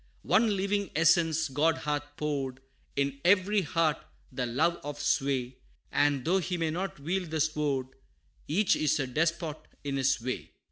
One living essence God hath poured In every heart the love of sway And though he may not wield the sword, Each is a despot in his way.